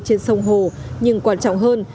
trên sông hồ nhưng quan trọng hơn